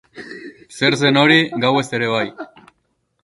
Zer zen hori, gauez ere bai.